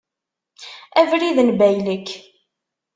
Abrid n baylek.